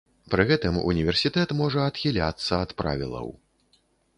Пры гэтым універсітэт можа адхіляцца ад правілаў.